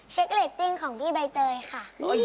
เรตติ้งของพี่ใบเตยค่ะ